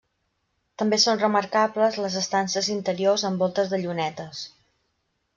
També són remarcables les estances interiors amb voltes de llunetes.